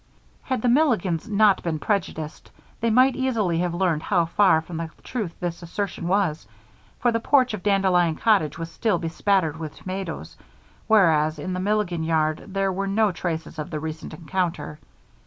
Had the Milligans not been prejudiced, they might easily have learned how far from the truth this assertion was, for the porch of Dandelion Cottage was still bespattered with tomatoes, whereas in the Milligan yard there were no traces of the recent encounter.